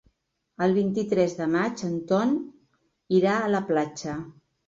El vint-i-tres de maig en Ton irà a la platja.